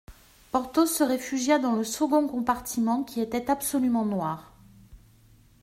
Porthos se réfugia dans le second compartiment qui était absolument noir.